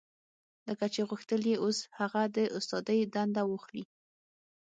لکه چې غوښتل يې اوس هغه د استادۍ دنده واخلي.